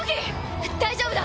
大丈夫だ。